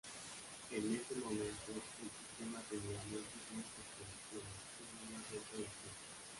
En ese momento, el sistema tenía múltiples circulaciones y ningún centro distinto.